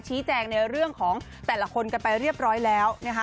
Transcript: ชี้แจงในเรื่องของแต่ละคนกันไปเรียบร้อยแล้วนะคะ